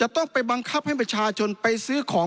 ต้องไปบังคับให้ประชาชนไปซื้อของ